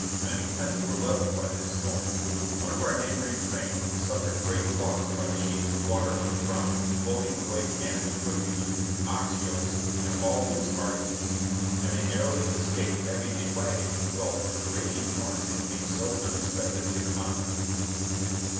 Many tents were leveled by this storm. One of our neighboring trains suffered great loss by the sheets of water on the ground floating away camp equipage, ox yokes, and all loose articles; and they narrowly escaped having a wagon engulfed in the raging torrent that came so unexpectedly upon them.